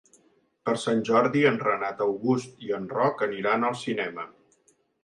Per Sant Jordi en Renat August i en Roc aniran al cinema.